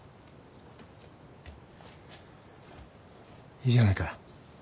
いいじゃないか。